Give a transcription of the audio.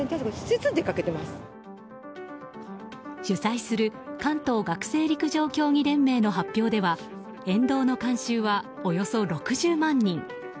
主催する関東学生陸上競技連盟の発表では沿道の観衆は、およそ６０万人。